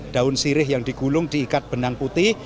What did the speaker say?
daun sirih yang digulung diikat benang putih